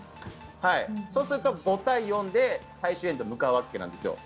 そうすると５対４で最終エンドに向かうわけなんです。